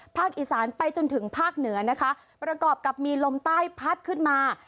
อีสานไปจนถึงภาคเหนือนะคะประกอบกับมีลมใต้พัดขึ้นมา